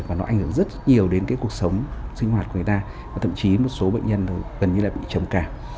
và nó ảnh hưởng rất nhiều đến cái cuộc sống sinh hoạt của người ta và thậm chí một số bệnh nhân gần như là bị trầm cảm